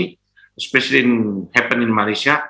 terutama terjadi di malaysia